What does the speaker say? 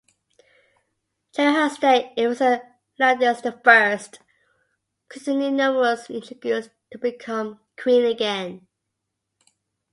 During her stay in Ephesus, Laodice I continued numerous intrigues to become queen again.